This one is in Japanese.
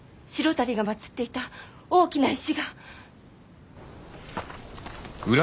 足が祭っていた大きな石が。